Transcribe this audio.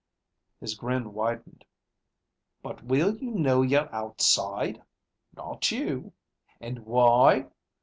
His grin widened. "But will you know yer outside? Not you. And why?